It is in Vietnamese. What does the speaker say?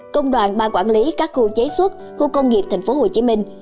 công đoàn ba quản lý các khu chế xuất khu công nghiệp thành phố hồ chí minh